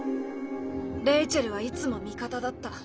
レイチェルはいつも味方だった。